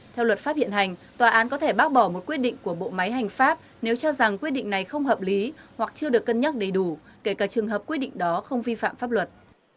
theo luật pháp hiện hành tòa án có thể bác bỏ một quyết định của bộ máy hành pháp nếu cho rằng quyết định này không hợp lý hoặc chưa được cân nhắc đầy đủ kể cả trường hợp quyết định đó không vi phạm pháp luật